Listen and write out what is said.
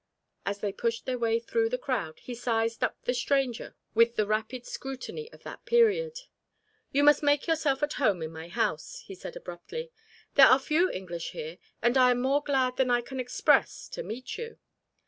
As they pushed their way through the crowd he "sized up" the stranger with the rapid scrutiny of that period. "You must make yourself at home in my house," he said abruptly. "There are few English here and I am more glad than I can express to meet you."